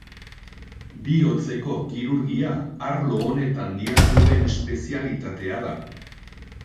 Bihotzeko kirurgia arlo honetan diharduen espezialitatea da.